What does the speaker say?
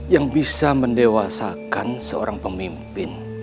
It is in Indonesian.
yang bisa mendewasakan seorang pemimpin